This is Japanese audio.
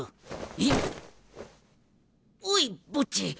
えっ？おいボッジ。